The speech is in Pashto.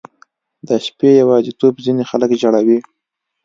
• د شپې یواځیتوب ځینې خلک ژړوي.